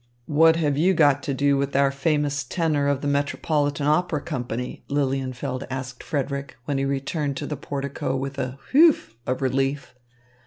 "What have you got to do with our famous tenor of the Metropolitan Opera Company?" Lilienfeld asked Frederick, when he returned to the portico with a "Whew!" of relief.